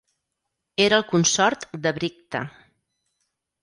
Era el consort de Bricta.